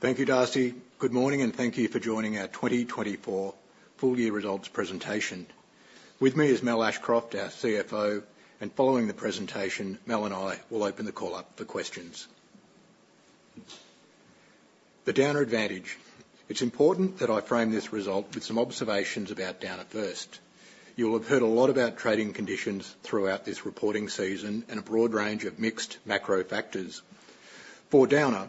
Thank you, Darcy. Good morning, and thank you for joining our 2024 full year results presentation. With me is Mal Ashcroft, our CFO, and following the presentation, Mal and I will open the call up for questions. The Downer Advantage. It's important that I frame this result with some observations about Downer first. You will have heard a lot about trading conditions throughout this reporting season and a broad range of mixed macro factors. For Downer,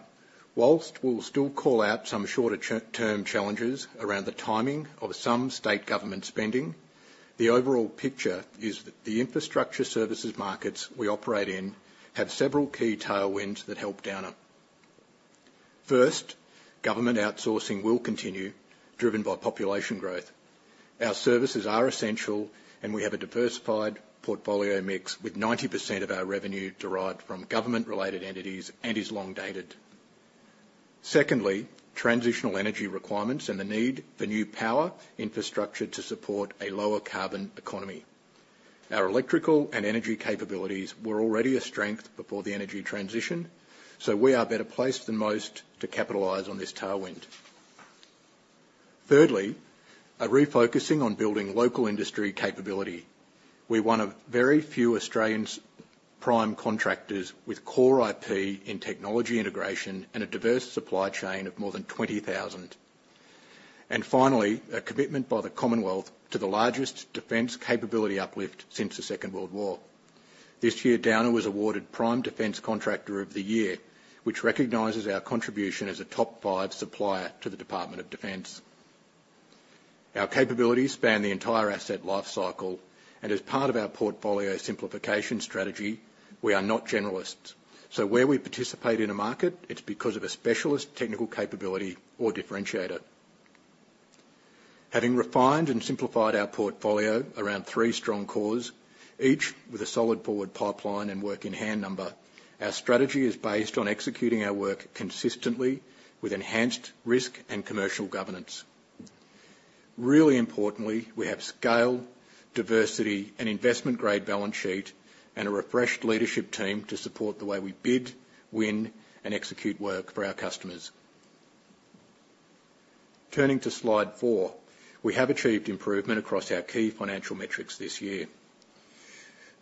whilst we'll still call out some shorter-term challenges around the timing of some state government spending, the overall picture is the infrastructure services markets we operate in have several key tailwinds that help Downer. First, government outsourcing will continue, driven by population growth. Our services are essential, and we have a diversified portfolio mix, with 90% of our revenue derived from government-related entities and is long-dated. Secondly, transitional energy requirements and the need for new power infrastructure to support a lower carbon economy. Our electrical and energy capabilities were already a strength before the energy transition, so we are better placed than most to capitalize on this tailwind. Thirdly, a refocusing on building local industry capability. We're one of very few Australian prime contractors with core IP in technology integration and a diverse supply chain of more than 20,000. And finally, a commitment by the Commonwealth to the largest defence capability uplift since the Second World War. This year, Downer was awarded Prime Defence Contractor of the Year, which recognizes our contribution as a top five supplier to the Department of Defence. Our capabilities span the entire asset life cycle, and as part of our portfolio simplification strategy, we are not generalists. So where we participate in a market, it's because of a specialist technical capability or differentiator. Having refined and simplified our portfolio around three strong cores, each with a solid forward pipeline and work in hand number, our strategy is based on executing our work consistently with enhanced risk and commercial governance. Really importantly, we have scale, diversity, and investment-grade balance sheet, and a refreshed leadership team to support the way we bid, win, and execute work for our customers. Turning to slide four, we have achieved improvement across our key financial metrics this year.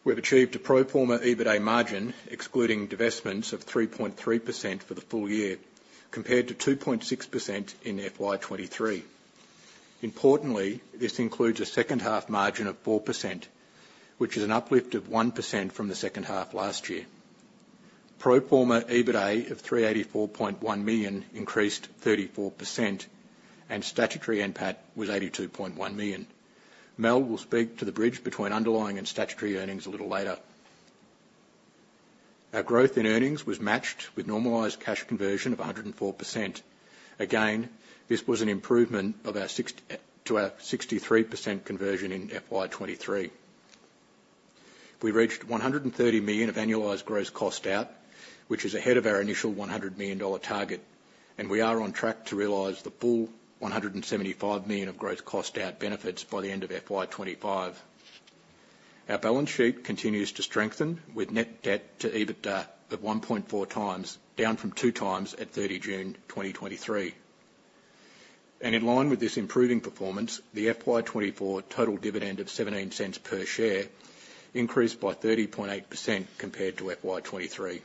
We've achieved a pro forma EBITA margin, excluding divestments, of 3.3% for the full year, compared to 2.6% in FY 2023. Importantly, this includes a second-half margin of 4%, which is an uplift of 1% from the second half last year. Pro forma EBITA of 384.1 million increased 34%, and statutory NPAT was 82.1 million. Mal will speak to the bridge between underlying and statutory earnings a little later. Our growth in earnings was matched with normalized cash conversion of 104%. Again, this was an improvement to our 63% conversion in FY 2023. We reached 130 million of annualized gross cost out, which is ahead of our initial 100 million dollar target, and we are on track to realize the full 175 million of gross cost out benefits by the end of FY 2025. Our balance sheet continues to strengthen, with net debt to EBITDA at 1.4x, down from 2x at 30 June 2023. And in line with this improving performance, the FY 2024 total dividend of 0.17 per share increased by 30.8% compared to FY 2023.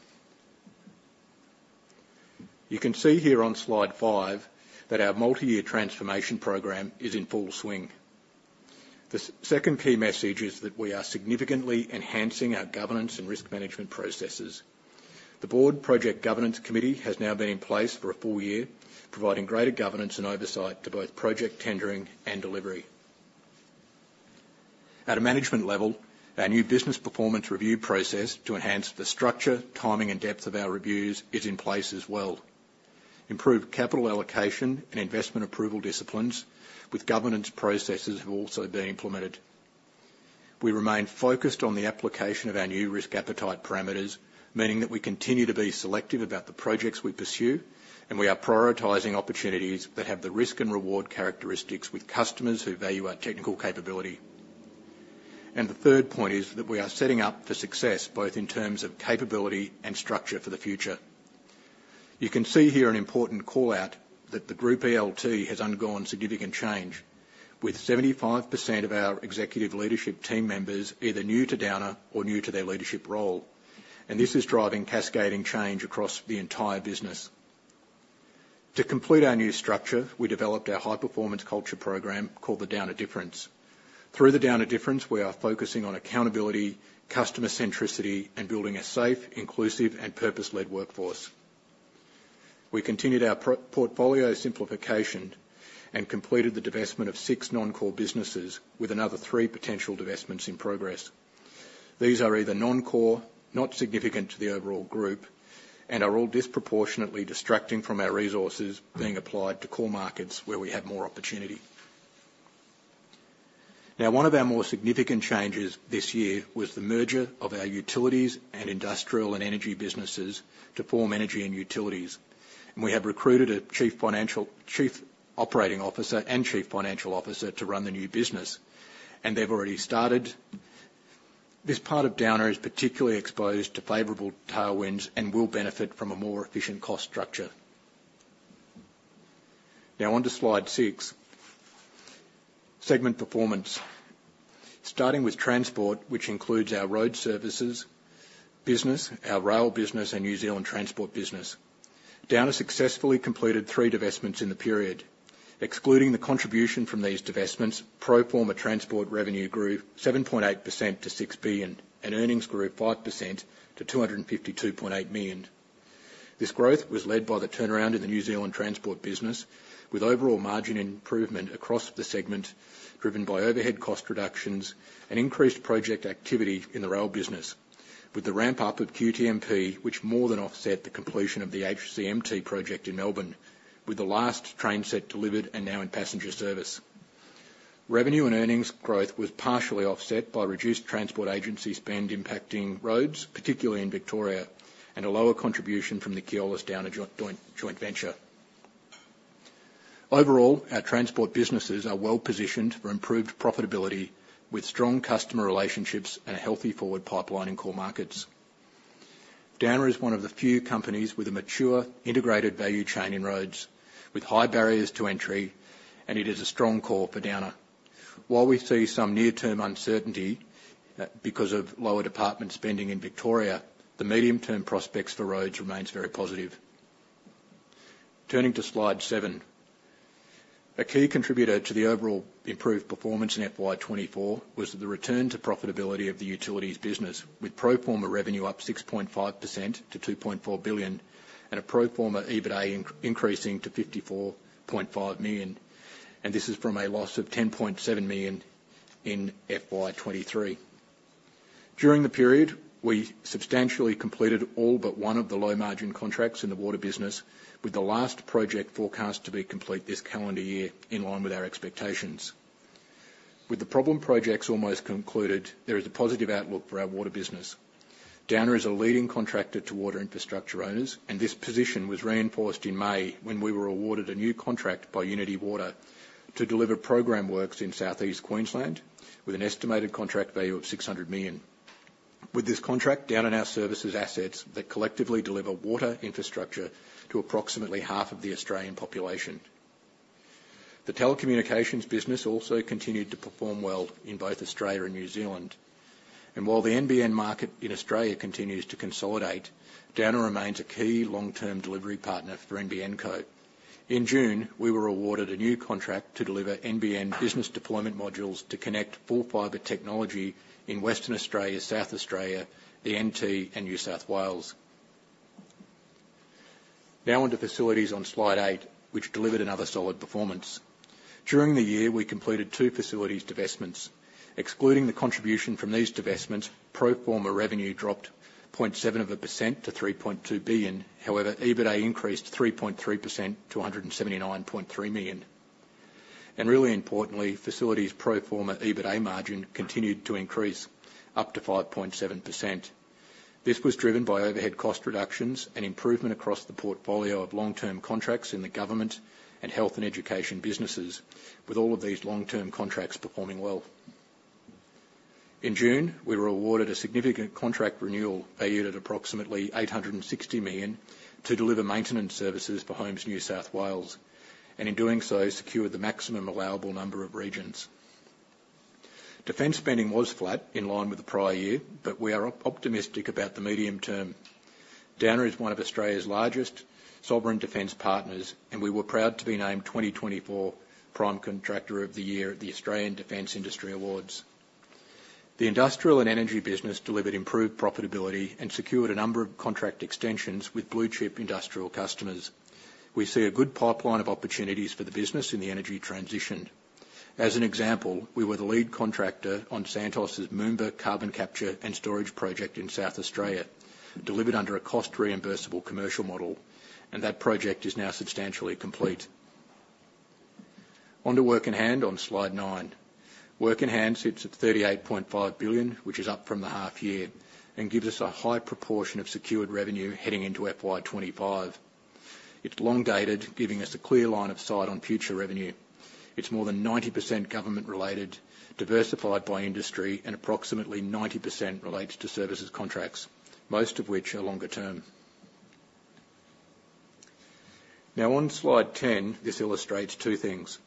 You can see here on slide five that our multi-year transformation program is in full swing. The second key message is that we are significantly enhancing our governance and risk management processes. The Board Project Governance Committee has now been in place for a full year, providing greater governance and oversight to both project tendering and delivery. At a management level, our new business performance review process to enhance the structure, timing, and depth of our reviews is in place as well. Improved capital allocation and investment approval disciplines with governance processes have also been implemented. We remain focused on the application of our new risk appetite parameters, meaning that we continue to be selective about the projects we pursue, and we are prioritizing opportunities that have the risk and reward characteristics with customers who value our technical capability. And the third point is that we are setting up for success, both in terms of capability and structure for the future. You can see here an important call-out that the group ELT has undergone significant change, with 75% of our executive leadership team members either new to Downer or new to their leadership role, and this is driving cascading change across the entire business. To complete our new structure, we developed our high-performance culture program called the Downer Difference. Through the Downer Difference, we are focusing on accountability, customer centricity, and building a safe, inclusive, and purpose-led workforce. We continued our portfolio simplification and completed the divestment of six non-core businesses, with another three potential divestments in progress. These are either non-core, not significant to the overall group, and are all disproportionately distracting from our resources being applied to core markets where we have more opportunity. Now, one of our more significant changes this year was the merger of our utilities and industrial and energy businesses to form Energy and Utilities, and we have recruited a Chief Operating Officer and Chief Financial Officer to run the new business, and they've already started. This part of Downer is particularly exposed to favorable tailwinds and will benefit from a more efficient cost structure. Now on to slide six, Segment Performance. Starting with Transport, which includes our road services business, our rail business, and New Zealand transport business. Downer successfully completed three divestments in the period. Excluding the contribution from these divestments, pro forma Transport revenue grew 7.8% to 6 billion, and earnings grew 5% to 252.8 million. This growth was led by the turnaround in the New Zealand transport business, with overall margin improvement across the segment, driven by overhead cost reductions and increased project activity in the rail business, with the ramp-up of QTMP, which more than offset the completion of the HCMT project in Melbourne, with the last train set delivered and now in passenger service. Revenue and earnings growth was partially offset by reduced Transport agency spend impacting roads, particularly in Victoria, and a lower contribution from the Keolis Downer joint venture. Overall, our Transport businesses are well-positioned for improved profitability, with strong customer relationships and a healthy forward pipeline in core markets. Downer is one of the few companies with a mature, integrated value chain in roads, with high barriers to entry, and it is a strong core for Downer. While we see some near-term uncertainty, because of lower department spending in Victoria, the medium-term prospects for roads remains very positive. Turning to slide seven. A key contributor to the overall improved performance in FY 2024 was the return to profitability of the utilities business, with pro forma revenue up 6.5% to 2.4 billion, and a pro forma EBITA increasing to 54.5 million, and this is from a loss of 10.7 million in FY 2023. During the period, we substantially completed all but one of the low-margin contracts in the water business, with the last project forecast to be complete this calendar year, in line with our expectations. With the problem projects almost concluded, there is a positive outlook for our water business. Downer is a leading contractor to water infrastructure owners, and this position was reinforced in May, when we were awarded a new contract by Unitywater to deliver program works in Southeast Queensland, with an estimated contract value of 600 million. With this contract, Downer now services assets that collectively deliver water infrastructure to approximately half of the Australian population. The telecommunications business also continued to perform well in both Australia and New Zealand. And while the NBN market in Australia continues to consolidate, Downer remains a key long-term delivery partner for NBN Co. In June, we were awarded a new contract to deliver NBN business deployment modules to connect full fiber technology in Western Australia, South Australia, the NT, and New South Wales. Now on to Facilities on slide eight, which delivered another solid performance. During the year, we completed two facilities divestments. Excluding the contribution from these divestments, pro forma revenue dropped 0.7% to 3.2 billion. However, EBITA increased 3.3% to 179.3 million. And really importantly, Facilities pro forma EBITA margin continued to increase up to 5.7%. This was driven by overhead cost reductions and improvement across the portfolio of long-term contracts in the government and health and education businesses, with all of these long-term contracts performing well. In June, we were awarded a significant contract renewal valued at approximately 860 million to deliver maintenance services for Homes NSW, and in doing so, secured the maximum allowable number of regions. Defence spending was flat in line with the prior year, but we are optimistic about the medium term. Downer is one of Australia's largest sovereign defence partners, and we were proud to be named 2024 Prime Contractor of the Year at the Australian Defence Industry Awards. The industrial and energy business delivered improved profitability and secured a number of contract extensions with blue-chip industrial customers. We see a good pipeline of opportunities for the business in the energy transition. As an example, we were the lead contractor on Santos' Moomba Carbon Capture and Storage Project in South Australia, delivered under a cost-reimbursable commercial model, and that project is now substantially complete. On to Work-in-Hand on slide nine. Work-in-hand sits at 38.5 billion, which is up from the half year and gives us a high proportion of secured revenue heading into FY 2025. It's long-dated, giving us a clear line of sight on future revenue. It's more than 90% government related, diversified by industry, and approximately 90% relates to services contracts, most of which are longer term. Now, on slide 10, this illustrates two things.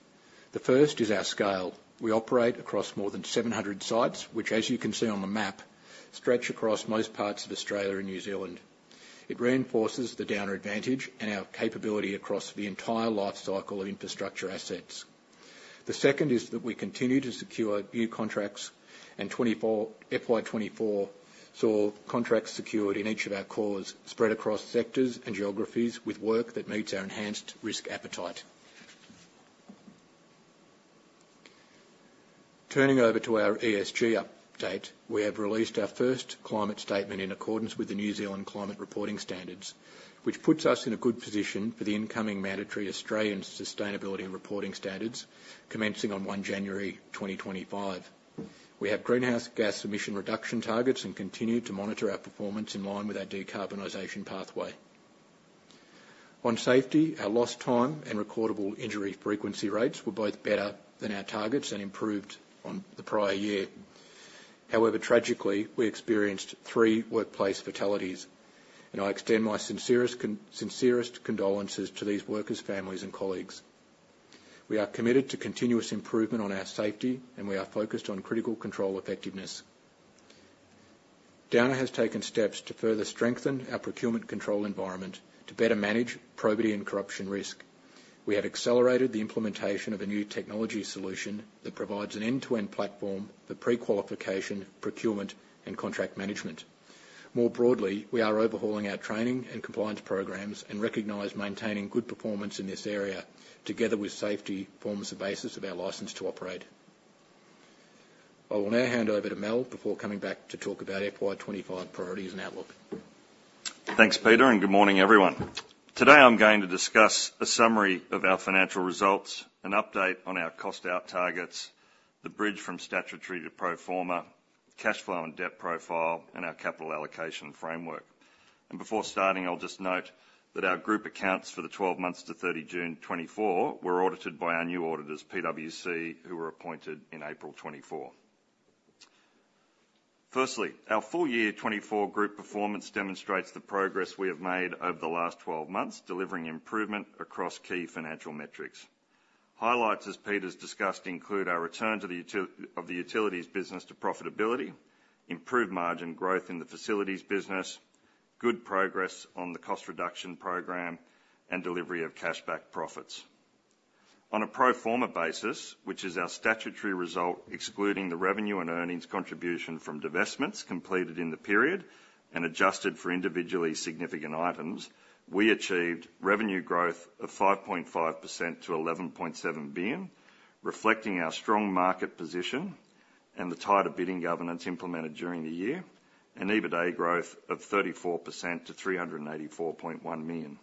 The first is our scale. We operate across more than 700 sites, which, as you can see on the map, stretch across most parts of Australia and New Zealand. It reinforces the Downer advantage and our capability across the entire lifecycle of infrastructure assets. The second is that we continue to secure new contracts, and FY 2024 saw contracts secured in each of our cores, spread across sectors and geographies with work that meets our enhanced risk appetite. Turning over to our ESG update, we have released our first climate statement in accordance with the New Zealand Climate Reporting Standards, which puts us in a good position for the incoming mandatory Australian Sustainability Reporting Standards, commencing on 1 January 2025. We have greenhouse gas emission reduction targets and continue to monitor our performance in line with our decarbonization pathway. On safety, our lost time and recordable injury frequency rates were both better than our targets and improved on the prior year. However, tragically, we experienced three workplace fatalities, and I extend my sincerest condolences to these workers' families and colleagues. We are committed to continuous improvement on our safety, and we are focused on critical control effectiveness. Downer has taken steps to further strengthen our procurement control environment to better manage probity and corruption risk. We have accelerated the implementation of a new technology solution that provides an end-to-end platform for pre-qualification, procurement, and contract management. More broadly, we are overhauling our training and compliance programs, and recognize maintaining good performance in this area, together with safety, forms the basis of our license to operate. I will now hand over to Mal before coming back to talk about FY 2025 priorities and outlook. Thanks, Peter, and good morning, everyone. Today, I'm going to discuss a summary of our financial results, an update on our cost out targets, the bridge from statutory to pro forma, cash flow and debt profile, and our capital allocation framework. And before starting, I'll just note that our group accounts for the 12 months to 30 June 2024 were audited by our new auditors, PwC, who were appointed in April 2024. Firstly, our full year 2024 group performance demonstrates the progress we have made over the last twelve months, delivering improvement across key financial metrics. Highlights, as Peter's discussed, include our return to the utilities business to profitability, improved margin growth in the facilities business, good progress on the cost reduction program, and delivery of cash back profits. On a pro forma basis, which is our statutory result, excluding the revenue and earnings contribution from divestments completed in the period and adjusted for individually significant items, we achieved revenue growth of 5.5% to 11.7 billion, reflecting our strong market position and the tighter bidding governance implemented during the year, and EBITA growth of 34% to 384.1 million.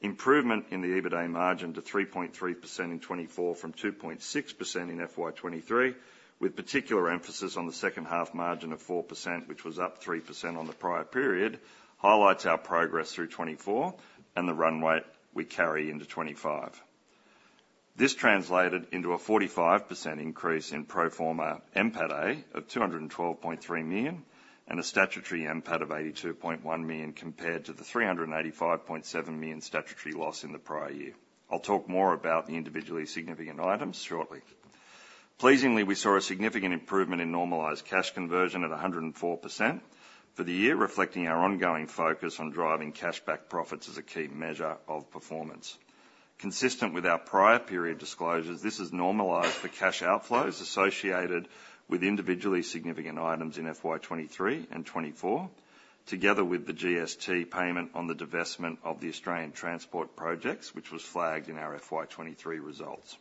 Improvement in the EBITA margin to 3.3% in 2024 from 2.6% in FY 2023, with particular emphasis on the second half margin of 4%, which was up 3% on the prior period, highlights our progress through 2024 and the run rate we carry into 2025. This translated into a 45% increase in pro forma NPATA of 212.3 million, and a statutory NPAT of 82.1 million, compared to the 385.7 million statutory loss in the prior year. I'll talk more about the individually significant items shortly. Pleasingly, we saw a significant improvement in normalized cash conversion at 104% for the year, reflecting our ongoing focus on driving cash back profits as a key measure of performance. Consistent with our prior period disclosures, this is normalized for cash outflows associated with individually significant items in FY 2023 and 2024, together with the GST payment on the divestment of the Australian Transport Projects, which was flagged in our FY 2023 results.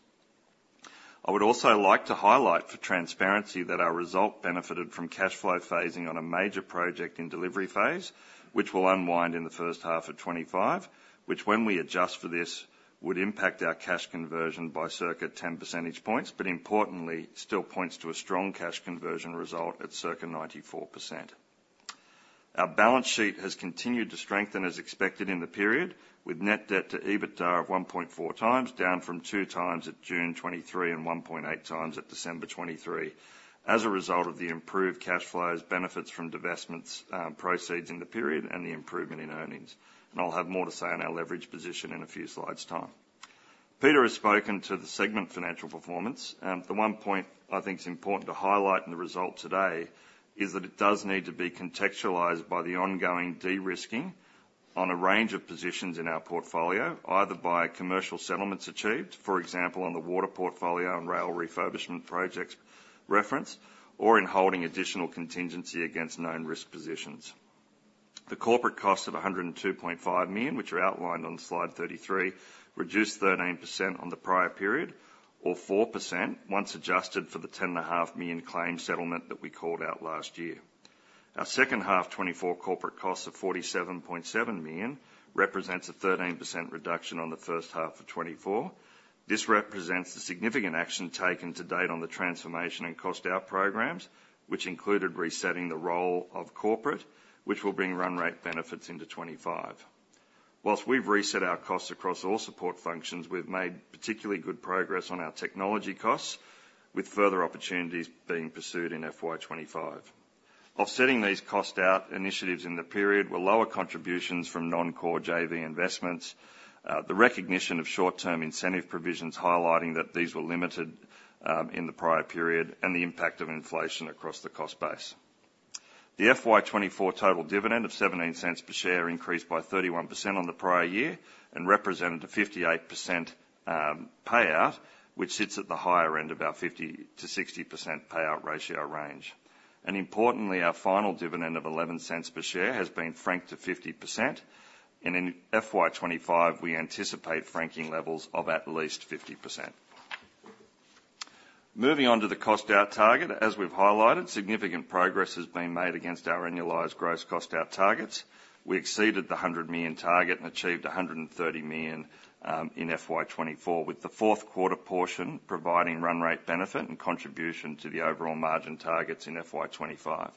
I would also like to highlight, for transparency, that our result benefited from cash flow phasing on a major project in delivery phase, which will unwind in the first half of 2025, which, when we adjust for this, would impact our cash conversion by circa 10 percentage points, but importantly, still points to a strong cash conversion result at circa 94%. Our balance sheet has continued to strengthen as expected in the period, with net debt to EBITDA of 1.4x, down from 2x at June 2023 and 1.8x at December 2023, as a result of the improved cash flows, benefits from divestments, proceeds in the period, and the improvement in earnings, and I'll have more to say on our leverage position in a few slides' time. Peter has spoken to the segment financial performance, and the one point I think is important to highlight in the result today is that it does need to be contextualized by the ongoing de-risking on a range of positions in our portfolio, either by commercial settlements achieved, for example, on the water portfolio and rail refurbishment projects referenced, or in holding additional contingency against known risk positions. The corporate costs of 102.5 million, which are outlined on slide 33, reduced 13% on the prior period, or 4% once adjusted for the 10.5 million claim settlement that we called out last year. Our second half 2024 corporate costs of 47.7 million represents a 13% reduction on the first half of 2024. This represents the significant action taken to date on the transformation and cost out programs, which included resetting the role of corporate, which will bring run rate benefits into 2025. While we've reset our costs across all support functions, we've made particularly good progress on our technology costs, with further opportunities being pursued in FY 2025. Offsetting these cost out initiatives in the period were lower contributions from non-core JV investments, the recognition of short-term incentive provisions, highlighting that these were limited in the prior period, and the impact of inflation across the cost base. The FY 2024 total dividend of 0.17 per share increased by 31% on the prior year and represented a 58% payout, which sits at the higher end of our 50%-60% payout ratio range. Importantly, our final dividend of 0.11 per share has been franked to 50%, and in FY 2025, we anticipate franking levels of at least 50%. Moving on to the cost out target, as we've highlighted, significant progress has been made against our annualized gross cost out targets. We exceeded the 100 million target and achieved 130 million in FY 2024, with the fourth quarter portion providing run rate benefit and contribution to the overall margin targets in FY 2025.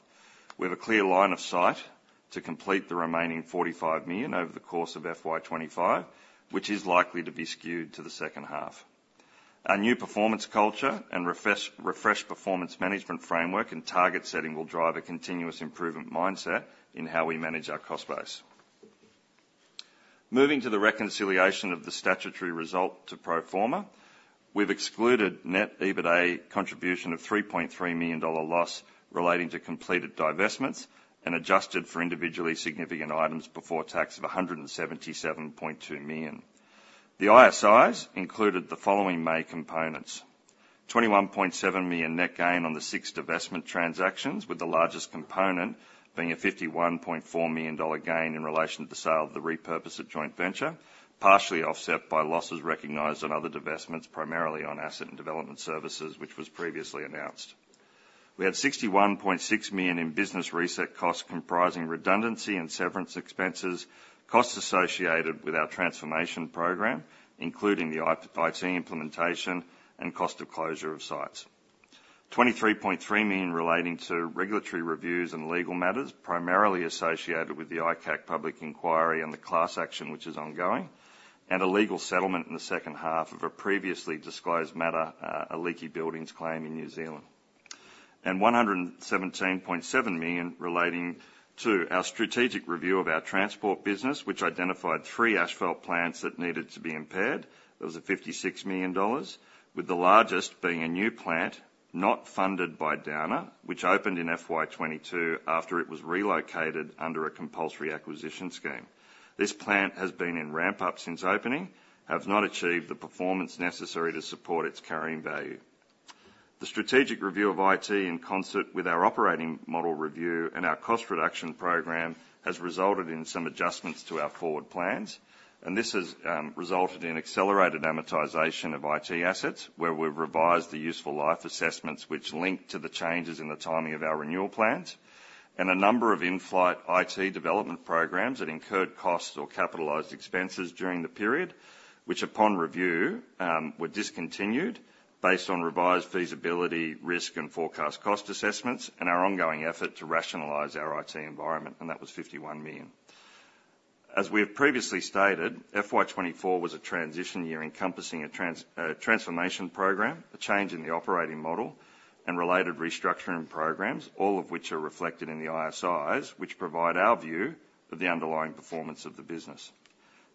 We have a clear line of sight to complete the remaining 45 million over the course of FY 2025, which is likely to be skewed to the second half. Our new performance culture and refreshed performance management framework and target setting will drive a continuous improvement mindset in how we manage our cost base. Moving to the reconciliation of the statutory result to pro forma, we've excluded net EBITA contribution of AUD 3.3 million loss relating to completed divestments, and adjusted for individually significant items before tax of AUD 177.2 million. The ISIs included the following main components: AUD 21.7 million net gain on the six divestment transactions, with the largest component being a AUD 51.4 million gain in relation to the sale of the Repurpose It joint venture, partially offset by losses recognized on other divestments, primarily on Asset and Development Services, which was previously announced. We had 61.6 million in business reset costs, comprising redundancy and severance expenses, costs associated with our transformation program, including the IT implementation and cost of closure of sites. 23.3 million relating to regulatory reviews and legal matters, primarily associated with the ICAC public inquiry and the class action, which is ongoing, and a legal settlement in the second half of a previously disclosed matter, a leaky buildings claim in New Zealand. And 117.7 million relating to our strategic review of our Transport business, which identified three asphalt plants that needed to be impaired. That was at 56 million dollars, with the largest being a new plant not funded by Downer, which opened in FY 2022 after it was relocated under a compulsory acquisition scheme. This plant has been in ramp-up since opening, have not achieved the performance necessary to support its carrying value. The strategic review of IT, in concert with our operating model review and our cost reduction program, has resulted in some adjustments to our forward plans, and this has resulted in accelerated amortization of IT assets, where we've revised the useful life assessments, which link to the changes in the timing of our renewal plans. And a number of in-flight IT development programs that incurred costs or capitalized expenses during the period, which, upon review, were discontinued based on revised feasibility, risk, and forecast cost assessments, and our ongoing effort to rationalize our IT environment, and that was 51 million. As we have previously stated, FY 2024 was a transition year encompassing a transformation program, a change in the operating model, and related restructuring programs, all of which are reflected in the ISIs, which provide our view of the underlying performance of the business.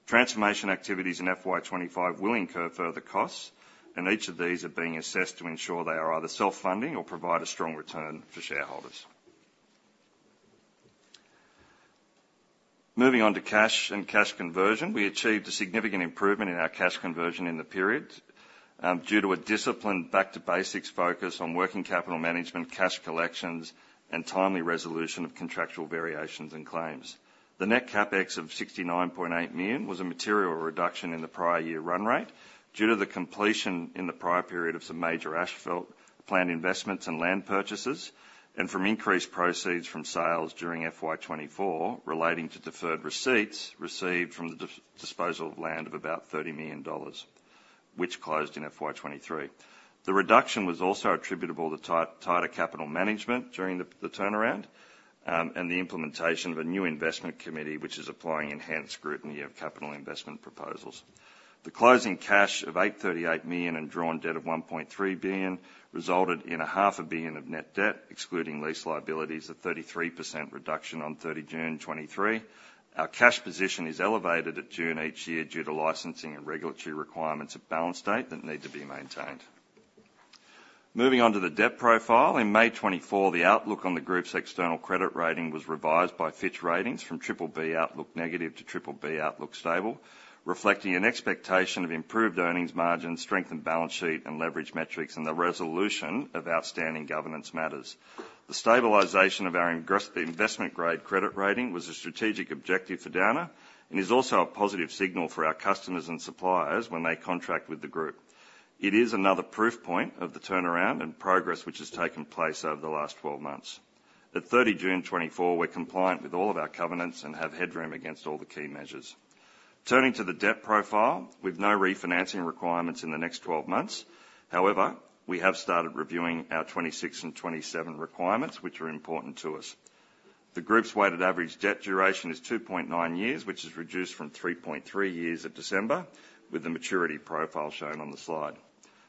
Transformation activities in FY 2025 will incur further costs, and each of these are being assessed to ensure they are either self-funding or provide a strong return for shareholders. Moving on to cash and cash conversion. We achieved a significant improvement in our cash conversion in the period, due to a disciplined back-to-basics focus on working capital management, cash collections, and timely resolution of contractual variations and claims. The net CapEx of 69.8 million was a material reduction in the prior year run rate due to the completion in the prior period of some major asphalt plant investments and land purchases, and from increased proceeds from sales during FY 2024, relating to deferred receipts received from the disposal of land of about 30 million dollars, which closed in FY 2023. The reduction was also attributable to tighter capital management during the turnaround, and the implementation of a new investment committee, which is applying enhanced scrutiny of capital investment proposals. The closing cash of 838 million and drawn debt of 1.3 billion resulted in 0.5 billion of net debt, excluding lease liabilities, a 33% reduction on 30 June 2023. Our cash position is elevated at June each year due to licensing and regulatory requirements at balance date that need to be maintained. Moving on to the debt profile. In May 2024, the outlook on the group's external credit rating was revised by Fitch Ratings from BBB outlook negative to BBB outlook stable, reflecting an expectation of improved earnings margin, strengthened balance sheet and leverage metrics, and the resolution of outstanding governance matters. The stabilization of our, the investment-grade credit rating was a strategic objective for Downer and is also a positive signal for our customers and suppliers when they contract with the group. It is another proof point of the turnaround and progress which has taken place over the last 12 months. At 30 June 2024, we're compliant with all of our covenants and have headroom against all the key measures. Turning to the debt profile, we've no refinancing requirements in the next 12 months. However, we have started reviewing our 2026 and 2027 requirements, which are important to us. The group's weighted average debt duration is 2.9 years, which is reduced from 3.3 years at December, with the maturity profile shown on the slide.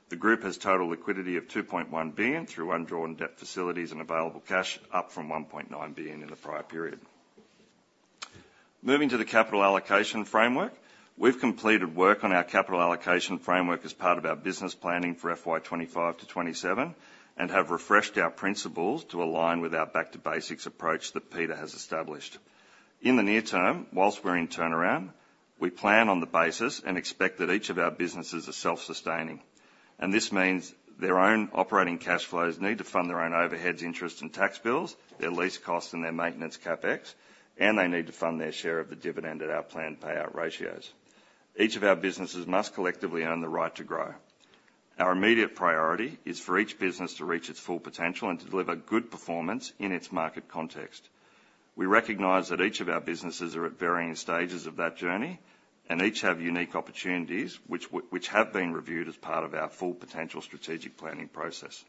The group has total liquidity of AUD 2.1 billion through undrawn debt facilities and available cash up from AUD 1.9 billion in the prior period. Moving to the capital allocation framework. We've completed work on our capital allocation framework as part of our business planning for FY 2025 to 2027, and have refreshed our principles to align with our back-to-basics approach that Peter has established. In the near term, whilst we're in turnaround, we plan on the basis and expect that each of our businesses are self-sustaining, and this means their own operating cash flows need to fund their own overheads, interest, and tax bills, their lease costs, and their maintenance CapEx, and they need to fund their share of the dividend at our planned payout ratios. Each of our businesses must collectively own the right to grow. Our immediate priority is for each business to reach its full potential and to deliver good performance in its market context. We recognize that each of our businesses are at varying stages of that journey, and each have unique opportunities which have been reviewed as part of our full potential strategic planning process.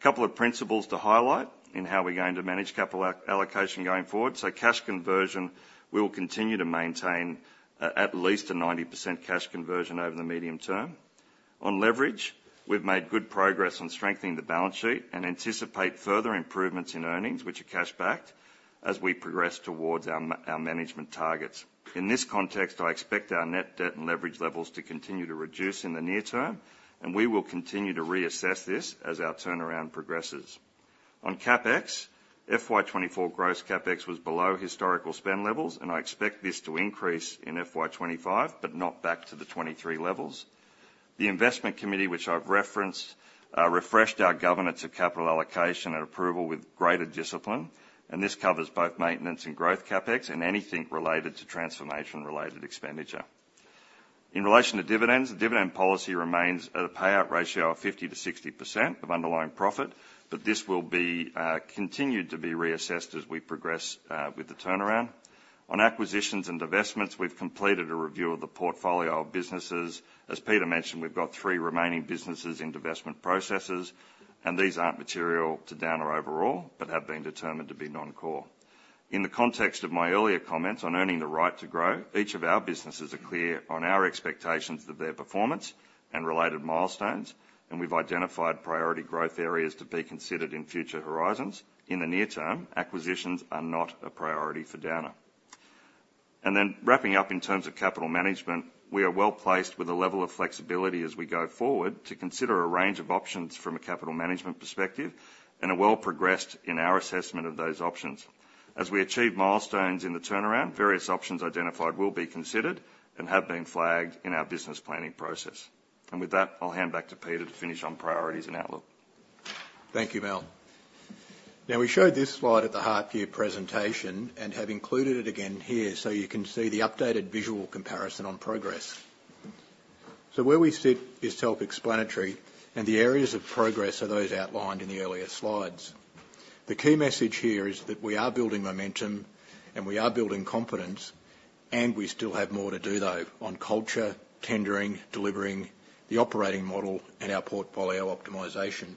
Couple of principles to highlight in how we're going to manage capital allocation going forward. So cash conversion, we will continue to maintain at least a 90% cash conversion over the medium term. On leverage, we've made good progress on strengthening the balance sheet and anticipate further improvements in earnings, which are cash backed, as we progress towards our management targets. In this context, I expect our net debt and leverage levels to continue to reduce in the near term, and we will continue to reassess this as our turnaround progresses. On CapEx, FY 2024 gross CapEx was below historical spend levels, and I expect this to increase in FY 2025, but not back to the 2023 levels. The investment committee, which I've referenced, refreshed our governance of capital allocation and approval with greater discipline, and this covers both maintenance and growth CapEx, and anything related to transformation-related expenditure. In relation to dividends, the dividend policy remains at a payout ratio of 50%-60% of underlying profit, but this will be continued to be reassessed as we progress with the turnaround. On acquisitions and divestments, we've completed a review of the portfolio of businesses. As Peter mentioned, we've got three remaining businesses in divestment processes, and these aren't material to Downer overall, but have been determined to be non-core. In the context of my earlier comments on earning the right to grow, each of our businesses are clear on our expectations of their performance and related milestones, and we've identified priority growth areas to be considered in future horizons. In the near term, acquisitions are not a priority for Downer. And then wrapping up in terms of capital management, we are well-placed with a level of flexibility as we go forward to consider a range of options from a capital management perspective, and are well progressed in our assessment of those options. As we achieve milestones in the turnaround, various options identified will be considered and have been flagged in our business planning process. And with that, I'll hand back to Peter to finish on priorities and outlook. Thank you, Mal. Now, we showed this slide at the half year presentation and have included it again here so you can see the updated visual comparison on progress. So where we sit is self-explanatory, and the areas of progress are those outlined in the earlier slides. The key message here is that we are building momentum, and we are building confidence, and we still have more to do, though, on culture, tendering, delivering the operating model, and our portfolio optimization.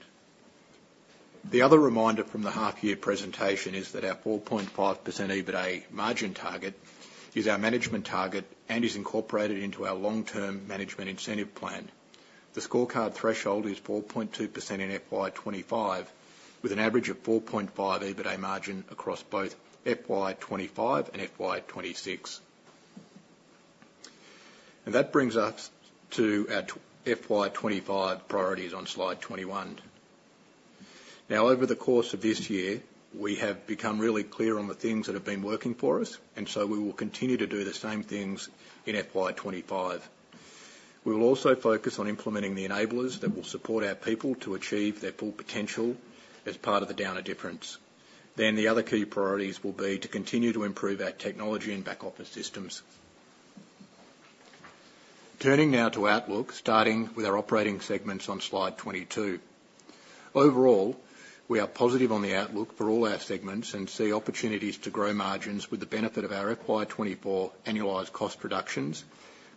The other reminder from the half year presentation is that our 4.5% EBITA margin target is our management target and is incorporated into our long-term management incentive plan. The scorecard threshold is 4.2% in FY 2025, with an average of 4.5% EBITA margin across both FY 2025 and FY 2026. And that brings us to our FY 2025 priorities on slide 21. Now, over the course of this year, we have become really clear on the things that have been working for us, and so we will continue to do the same things in FY 2025. We will also focus on implementing the enablers that will support our people to achieve their full potential as part of the Downer Difference. Then, the other key priorities will be to continue to improve our technology and back-office systems. Turning now to outlook, starting with our operating segments on slide 22. Overall, we are positive on the outlook for all our segments and see opportunities to grow margins with the benefit of our FY 2024 annualized cost reductions.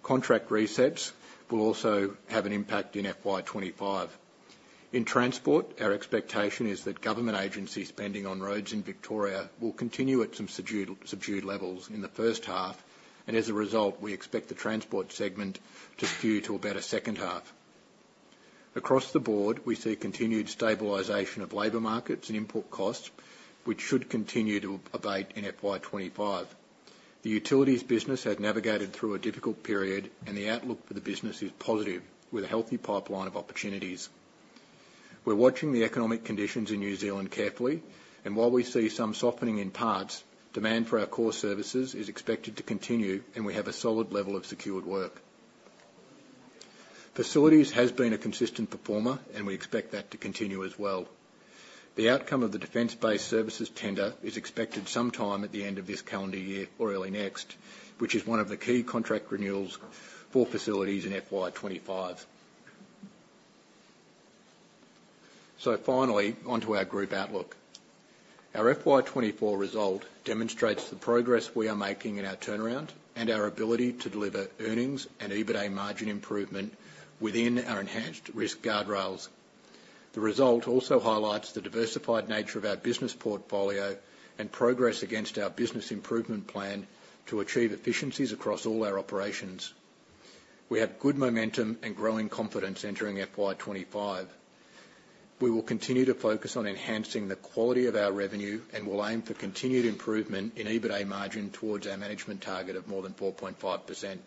Contract resets will also have an impact in FY 2025. In Transport, our expectation is that government agency spending on roads in Victoria will continue at some subdued levels in the first half, and as a result, we expect the Transport segment to skew to a better second half. Across the board, we see continued stabilization of labor markets and input costs, which should continue to abate in FY 2025. The utilities business has navigated through a difficult period, and the outlook for the business is positive, with a healthy pipeline of opportunities. We're watching the economic conditions in New Zealand carefully, and while we see some softening in parts, demand for our core services is expected to continue, and we have a solid level of secured work. Facilities has been a consistent performer, and we expect that to continue as well. The outcome of the Defence Base Services Tender is expected sometime at the end of this calendar year or early next, which is one of the key contract renewals for facilities in FY 2025. So finally, on to our group outlook. Our FY 2024 result demonstrates the progress we are making in our turnaround and our ability to deliver earnings and EBITA margin improvement within our enhanced risk guardrails. The result also highlights the diversified nature of our business portfolio and progress against our business improvement plan to achieve efficiencies across all our operations. We have good momentum and growing confidence entering FY 2025. We will continue to focus on enhancing the quality of our revenue and will aim for continued improvement in EBITA margin towards our management target of more than 4.5%.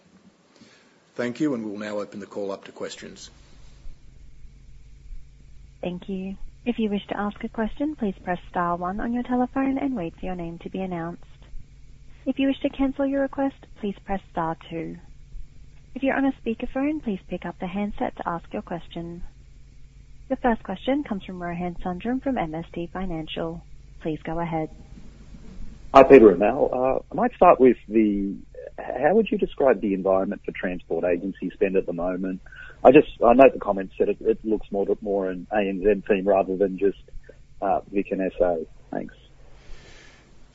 Thank you, and we'll now open the call up to questions. Thank you. If you wish to ask a question, please press star one on your telephone and wait for your name to be announced. If you wish to cancel your request, please press star two. If you're on a speakerphone, please pick up the handset to ask your question. The first question comes from Rohan Sundram from MST Financial. Please go ahead. Hi, Peter and Mal. I might start with the... how would you describe the environment for Transport agency spend at the moment? I note the comments that it looks more in ANZ team rather than just Vic and SA. Thanks.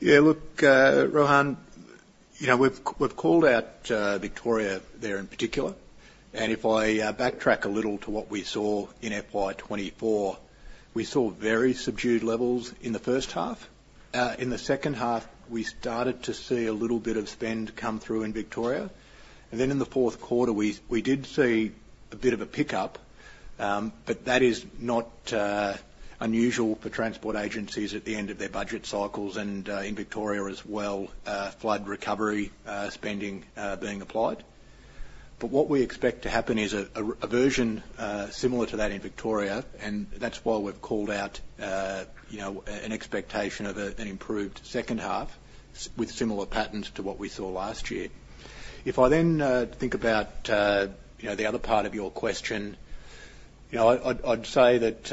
Yeah, look, Rohan, you know, we've called out Victoria there in particular, and if I backtrack a little to what we saw in FY 2024, we saw very subdued levels in the first half. In the second half, we started to see a little bit of spend come through in Victoria, and then in the fourth quarter, we did see a bit of a pickup, but that is not unusual for transport agencies at the end of their budget cycles, and in Victoria as well, flood recovery spending being applied. But what we expect to happen is a version similar to that in Victoria, and that's why we've called out, you know, an expectation of an improved second half with similar patterns to what we saw last year. If I then think about, you know, the other part of your question, you know, I'd say that,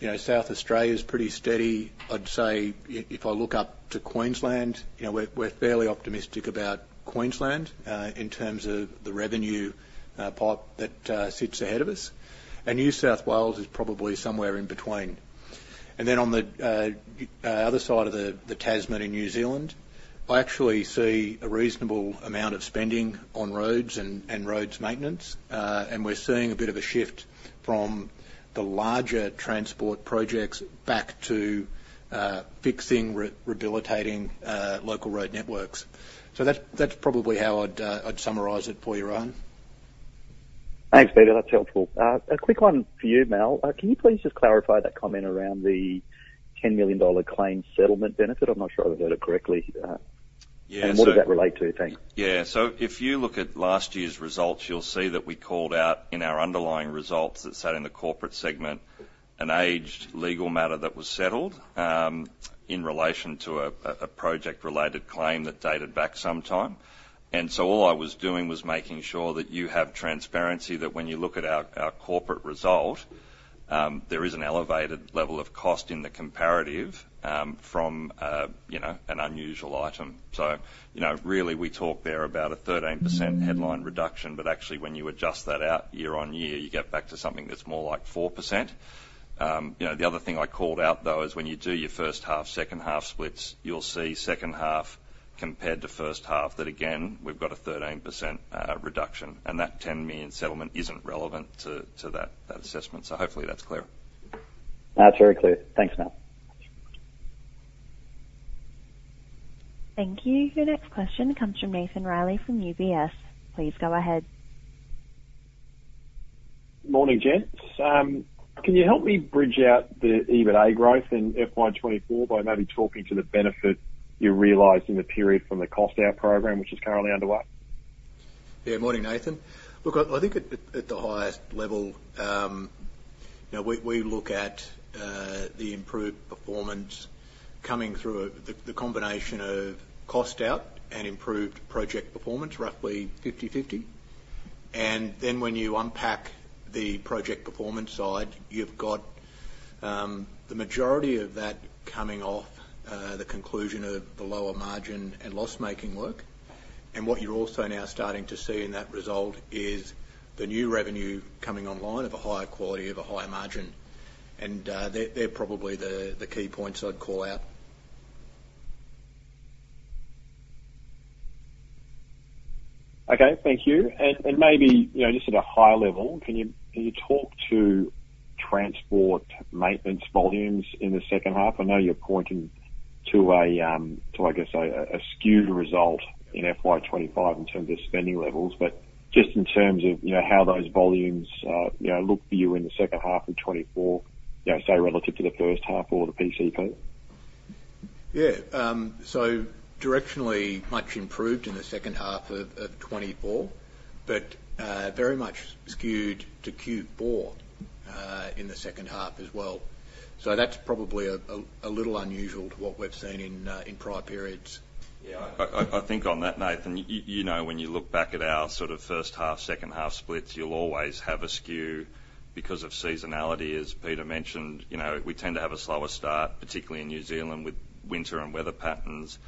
you know, South Australia is pretty steady. I'd say if I look up to Queensland, you know, we're fairly optimistic about Queensland in terms of the revenue pipe that sits ahead of us, and New South Wales is probably somewhere in between. And then on the other side of the Tasman in New Zealand, I actually see a reasonable amount of spending on roads and roads maintenance, and we're seeing a bit of a shift from the larger transport projects back to fixing, rehabilitating local road networks. So that's probably how I'd summarize it for you, Rohan. Thanks, Peter. That's helpful. A quick one for you, Mal. Can you please just clarify that comment around the 10 million dollar claim settlement benefit? I'm not sure I heard it correctly. Yeah. What does that relate to? Thanks. Yeah, so if you look at last year's results, you'll see that we called out in our underlying results that sat in the corporate segment an aged legal matter that was settled in relation to a project-related claim that dated back some time. And so all I was doing was making sure that you have transparency that when you look at our corporate result there is an elevated level of cost in the comparative from you know an unusual item. So you know really we talk there about a 13% headline reduction, but actually when you adjust that out year-on-year, you get back to something that's more like 4%. You know, the other thing I called out, though, is when you do your first half, second half splits, you'll see second half compared to first half, that again, we've got a 13% reduction, and that 10 million settlement isn't relevant to that assessment. So hopefully that's clear. That's very clear. Thanks, Mal. Thank you. Your next question comes from Nathan Reilly, from UBS. Please go ahead. Morning, gents. Can you help me bridge out the EBITA growth in FY 2024 by maybe talking to the benefit you realized in the period from the cost out program, which is currently underway? Yeah. Morning, Nathan. Look, I think at the highest level, you know, we look at the improved performance coming through, the combination of cost out and improved project performance, roughly 50/50. And then when you unpack the project performance side, you've got the majority of that coming off the conclusion of the lower margin and loss-making work. And what you're also now starting to see in that result is the new revenue coming online of a higher quality, of a higher margin. And they're probably the key points I'd call out. Okay, thank you. And maybe, you know, just at a high level, can you talk to transport maintenance volumes in the second half? I know you're pointing to a to, I guess, a skewed result in FY 2025 in terms of spending levels. But just in terms of, you know, how those volumes, you know, look for you in the second half of 2024, you know, say, relative to the first half or the PCP. Yeah, so directionally, much improved in the second half of 2024, but very much skewed to Q4 in the second half as well. So that's probably a little unusual to what we've seen in prior periods. Yeah, I think on that, Nathan, you know, when you look back at our sort of first half, second half splits, you'll always have a skew because of seasonality. As Peter mentioned, you know, we tend to have a slower start, particularly in New Zealand, with winter and weather patterns.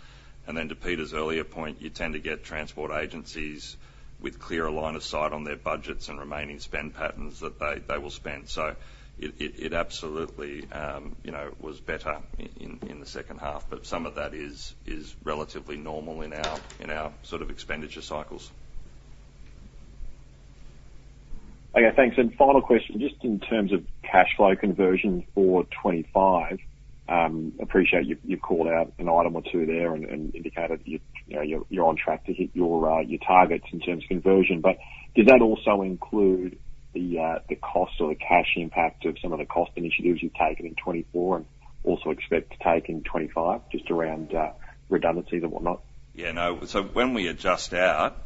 And then to Peter's earlier point, you tend to get transport agencies with clearer line of sight on their budgets and remaining spend patterns that they will spend. So it absolutely, you know, was better in the second half, but some of that is relatively normal in our sort of expenditure cycles. Okay, thanks. Final question, just in terms of cash flow conversion for 2025. I appreciate you've called out an item or two there and indicated, you know, you're on track to hit your targets in terms of conversion. But does that also include the cost or the cash impact of some of the cost initiatives you've taken in 2024 and also expect to take in 2025, just around redundancies and whatnot? Yeah, no. So when we adjust out,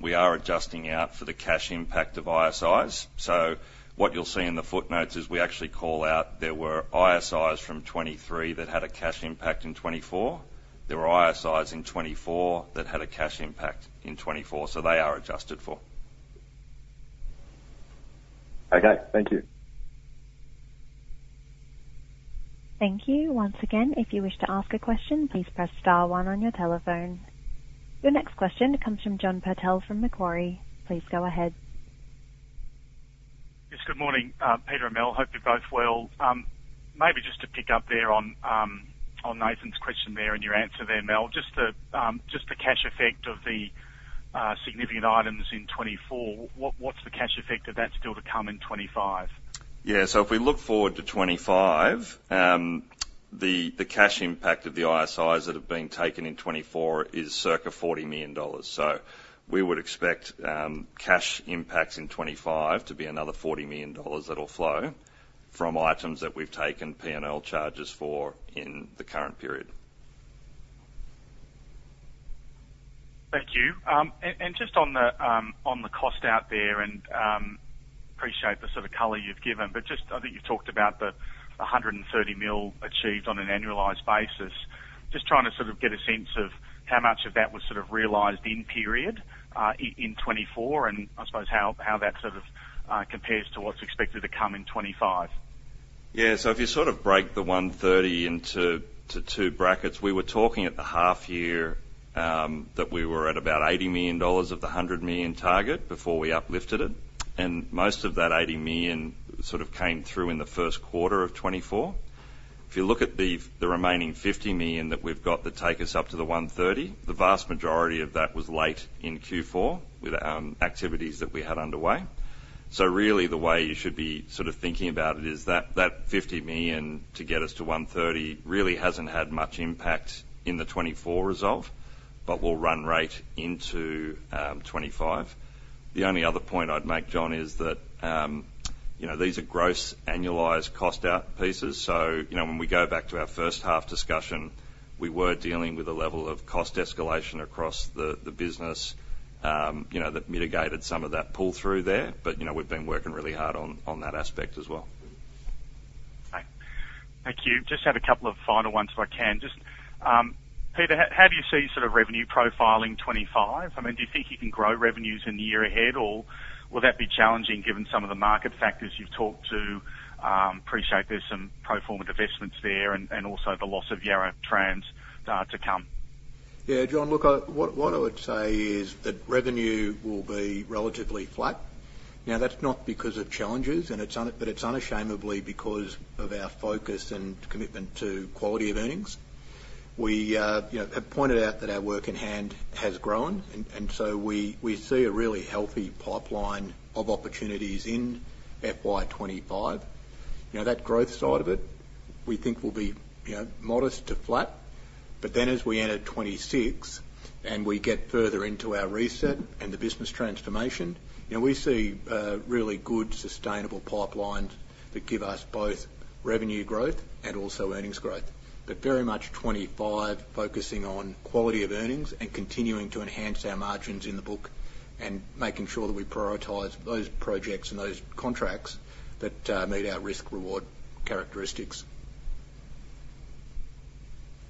we are adjusting out for the cash impact of ISIs. So what you'll see in the footnotes is we actually call out there were ISIs from 2023 that had a cash impact in 2024. There were ISIs in 2024 that had a cash impact in 2024, so they are adjusted for. Okay, thank you. Thank you. Once again, if you wish to ask a question, please press star one on your telephone. Your next question comes from John Purtell from Macquarie. Please go ahead. Yes. Good morning, Peter and Mal. Hope you're both well. Maybe just to pick up there on Nathan's question there, and your answer there, Mal, just the cash effect of the significant items in 2024. What's the cash effect of that still to come in 2025? Yeah, so if we look forward to 2025, the cash impact of the ISIs that have been taken in 2024 is circa 40 million dollars. So we would expect cash impacts in 2025 to be another 40 million dollars that'll flow from items that we've taken P&L charges for in the current period. Thank you, and just on the cost out there, and appreciate the sort of color you've given, but just I think you talked about the 130 million achieved on an annualized basis. Just trying to sort of get a sense of how much of that was sort of realized in period in 2024, and I suppose how that sort of compares to what's expected to come in 2025? Yeah, so if you sort of break the 130 million into two brackets, we were talking at the half year that we were at about 80 million dollars of the 100 million target before we uplifted it, and most of that 80 million sort of came through in the first quarter of 2024. If you look at the remaining 50 million that we've got that take us up to the 130 million, the vast majority of that was late in Q4, with activities that we had underway. So really, the way you should be sort of thinking about it is that that 50 million to get us to 130 million really hasn't had much impact in the 2024 result, but will run right into 2025. The only other point I'd make, John, is that you know, these are gross annualized cost out pieces. So, you know, when we go back to our first half discussion, we were dealing with a level of cost escalation across the business, you know, that mitigated some of that pull-through there. But, you know, we've been working really hard on that aspect as well. Thank you. Just have a couple of final ones, if I can. Just, Peter, how do you see sort of revenue profiling in 2025? I mean, do you think you can grow revenues in the year ahead, or will that be challenging given some of the market factors you've talked to? Appreciate there's some pro forma divestments there and also the loss of Yarra Trams to come. Yeah, John, look, what I would say is that revenue will be relatively flat. Now, that's not because of challenges, but it's unashamedly because of our focus and commitment to quality of earnings. We, you know, have pointed out that our work-in-hand has grown, and so we see a really healthy pipeline of opportunities in FY 2025. You know, that growth side of it, we think will be, you know, modest to flat, but then as we enter 2026 and we get further into our reset and the business transformation, you know, we see really good sustainable pipelines that give us both revenue growth and also earnings growth. But very much 2025, focusing on quality of earnings and continuing to enhance our margins in the book, and making sure that we prioritize those projects and those contracts that meet our risk/reward characteristics.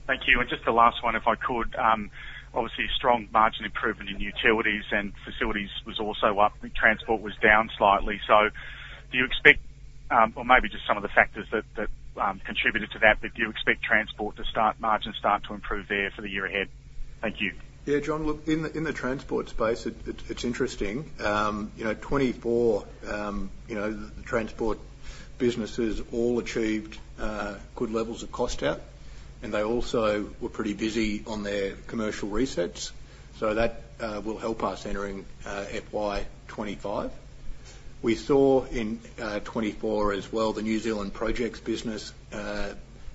Thank you, and just the last one, if I could. Obviously, a strong margin improvement in utilities and facilities was also up. Transport was down slightly. So do you expect, or maybe just some of the factors that contributed to that, but do you expect Transport to start, margins start to improve there for the year ahead? Thank you. Yeah, John, look, in the Transport space, it's interesting. You know, 2024, you know, the Transport businesses all achieved good levels of cost out, and they also were pretty busy on their commercial resets, so that will help us entering FY 2025. We saw in 2024 as well, the New Zealand Projects business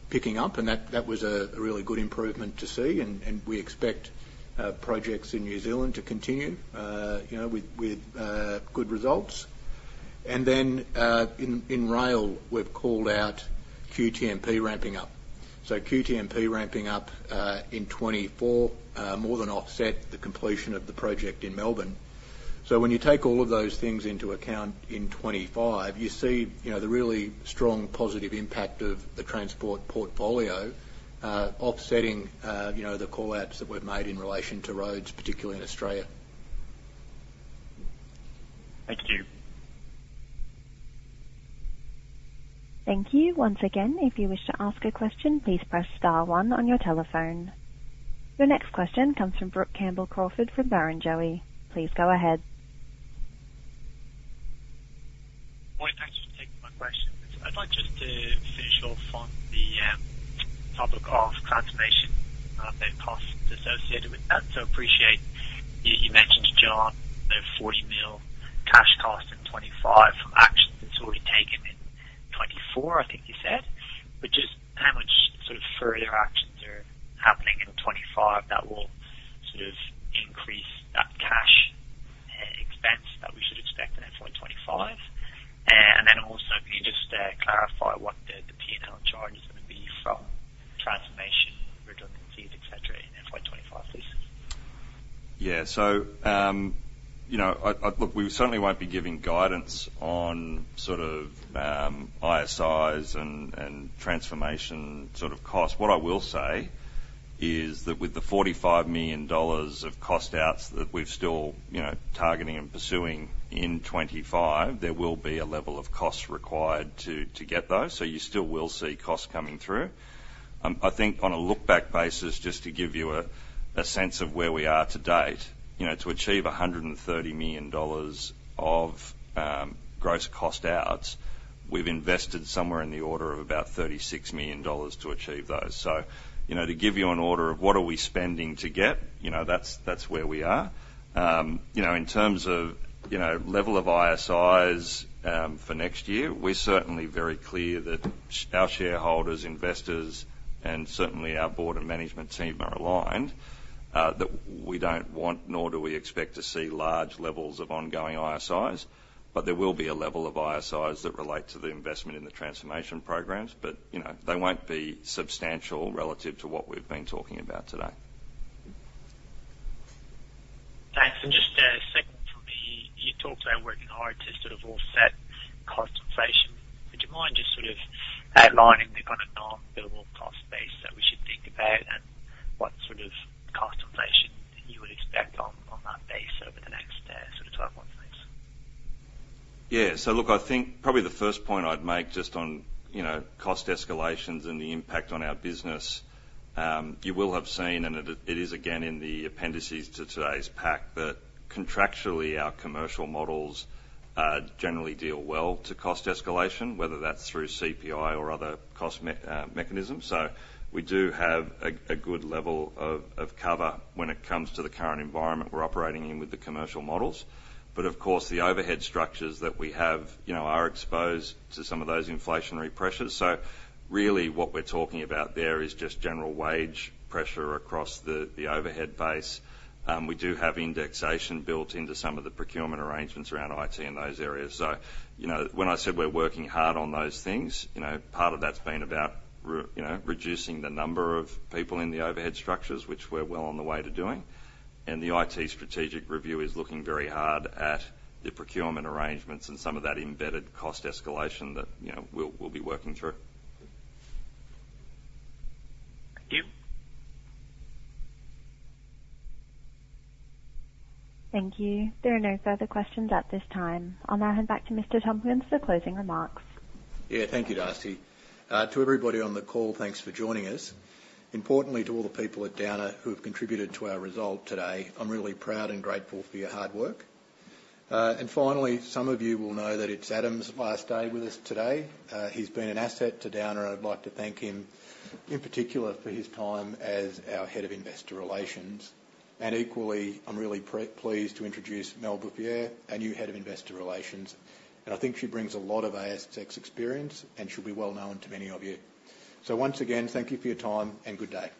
picking up, and that was a really good improvement to see. And we expect projects in New Zealand to continue you know with good results. And then in rail, we've called out QTMP ramping up. So QTMP ramping up in 2024 more than offset the completion of the project in Melbourne. So when you take all of those things into account in 2025, you see, you know, the really strong positive impact of the transport portfolio, offsetting, you know, the call-outs that were made in relation to roads, particularly in Australia. Thank you. Thank you. Once again, if you wish to ask a question, please press star one on your telephone. Your next question comes from Brook Campbell-Crawford, from Barrenjoey. Please go ahead. Hi, thanks for taking my question. I'd like just to finish off on the topic of transformation, and costs associated with that. So appreciate you mentioned to John, the 40 million cash cost in 2025 from actions it's already taken in 2024, I think you said. But just how much sort of further actions are happening in 2025 that will sort of increase that cash expense that we should expect in FY 2025? And then also, can you just clarify what the P&L charge is gonna be from transformation redundancies, et cetera, in FY 2025, please? Yeah. So, you know, look, we certainly won't be giving guidance on sort of, ISIs and transformation sort of costs. What I will say is that with the 45 million dollars of cost outs that we've still, you know, targeting and pursuing in 2025, there will be a level of costs required to, to get those. So you still will see costs coming through. I think on a look back basis, just to give you a sense of where we are to date, you know, to achieve 130 million dollars of, gross cost outs, we've invested somewhere in the order of about 36 million dollars to achieve those. So, you know, to give you an order of what are we spending to get, you know, that's where we are. You know, in terms of, you know, level of ISIs, for next year, we're certainly very clear that our shareholders, investors, and certainly our board and management team are aligned, that we don't want, nor do we expect to see large levels of ongoing ISIs. But there will be a level of ISIs that relate to the investment in the transformation programs. But, you know, they won't be substantial relative to what we've been talking about today. Thanks. And just a second for me. You talked about working hard to sort of offset cost inflation. Would you mind just sort of outlining the kind of non-billable cost base that we should think about, and what sort of cost inflation you would expect on that base over the next, sort of 12 months? Thanks. Yeah. So look, I think probably the first point I'd make just on, you know, cost escalations and the impact on our business. You will have seen, and it is again, in the appendices to today's pack, that contractually, our commercial models generally deal well to cost escalation, whether that's through CPI or other cost mechanisms. So we do have a good level of cover when it comes to the current environment we're operating in with the commercial models. But of course, the overhead structures that we have, you know, are exposed to some of those inflationary pressures. So really, what we're talking about there is just general wage pressure across the overhead base. We do have indexation built into some of the procurement arrangements around IT and those areas. So, you know, when I said we're working hard on those things, you know, part of that's been about reducing the number of people in the overhead structures, which we're well on the way to doing. And the IT strategic review is looking very hard at the procurement arrangements and some of that embedded cost escalation that, you know, we'll be working through. Thank you. Thank you. There are no further questions at this time. I'll now hand back to Mr. Tompkins for closing remarks. Yeah, thank you, Darcy. To everybody on the call, thanks for joining us. Importantly, to all the people at Downer who have contributed to our result today, I'm really proud and grateful for your hard work. And finally, some of you will know that it's Adam's last day with us today. He's been an asset to Downer, and I'd like to thank him, in particular, for his time as our Head of Investor Relations. And equally, I'm really pleased to introduce Mel Buffier, our new Head of Investor Relations, and I think she brings a lot of ASX experience, and she'll be well known to many of you. So once again, thank you for your time, and good day.